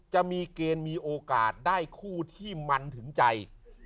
จะมีเกณฑ์มีโอกาสได้คู่ที่มันถึงใจ